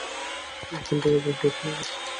এখন থেকে দশ বছর আগের।